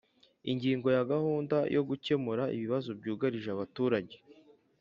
Ingingo ya Gahunda yo gukemura ibibazo byugarije abaturage